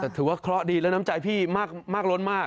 แต่ถือว่าเคราะห์ดีและน้ำใจพี่มากล้นมาก